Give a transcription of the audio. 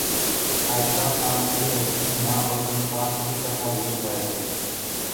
عائشہ خان کی رسم حنا اور نکاح کی تصاویر وائرل